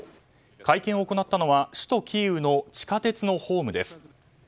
会見を行ったのは首都キーウの地下鉄のホームです。